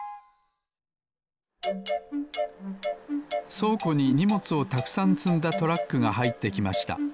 そうこににもつをたくさんつんだトラックがはいってきました。